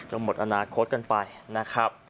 หมดอนาคตกันไปนะครับ